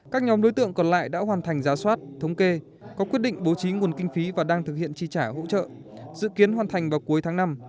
các nhóm đối tượng còn lại đã hoàn thành giá soát thống kê có quyết định bố trí nguồn kinh phí và đang thực hiện chi trả hỗ trợ dự kiến hoàn thành vào cuối tháng năm